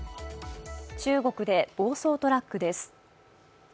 中国で暴走トラックです。